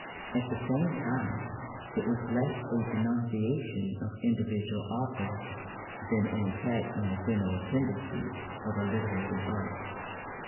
At the same time, it was less a denunciation of individual authors than an attack on the general tendencies of the literary art.